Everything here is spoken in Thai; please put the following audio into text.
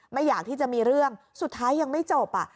ไม่อยากที่จะมีเรื่องสุดท้ายยังไม่จบอ่ะ